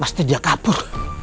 mesti dia kapur